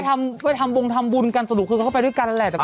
เพื่อทำบุญทำบุญกันสรุปคือเขาไปด้วยกันแหละ